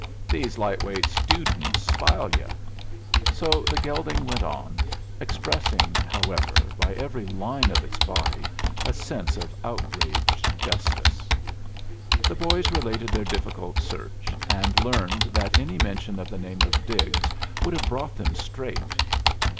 "These light weight stoodents spile you!" So the gelding went on, expressing, however, by every line of its body, a sense of outraged justice. The boys related their difficult search, and learned that any mention of the name of Diggs would have brought them straight.